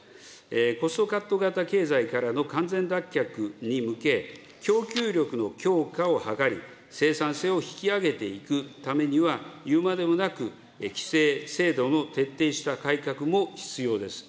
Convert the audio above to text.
コストカット型経済からの完全脱却に向け、供給力の強化を図り、生産性を引き上げていくためには、言うまでもなく規制、制度の徹底した改革も必要です。